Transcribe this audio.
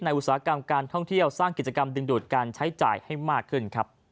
อุตสาหกรรมการท่องเที่ยวสร้างกิจกรรมดึงดูดการใช้จ่ายให้มากขึ้นครับ